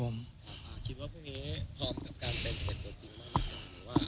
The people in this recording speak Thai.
คิดว่าพรุ่งนี้พร้อมกับการเป็น๑๑ตัวจริงมากหรือว่า